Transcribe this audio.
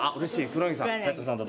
黒柳さんと。